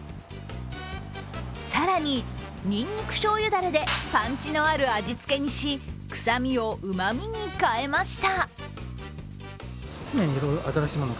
更に、にんにくしょうゆだれでパンチのある味付けにし、臭みをうまみに変えました。